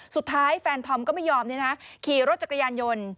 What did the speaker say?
สุดท้ายแฟนทอมก็ไม่ยอมขี่รถจักรยานยนต์